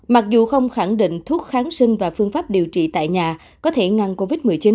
mặc dù không khẳng định thuốc kháng sinh và phương pháp điều trị tại nhà có thể ngăn covid một mươi chín